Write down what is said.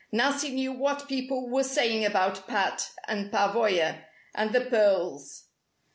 Nancy knew what people were saying about Pat and Pavoya and the pearls.